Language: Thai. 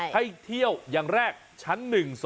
ให้เที่ยวอย่างแรกชั้น๑๒